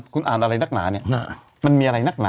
คุณอ่านอะไรนักหนาเนี่ย